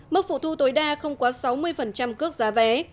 mức phụ thu tối đa không quá sáu mươi cước giá vé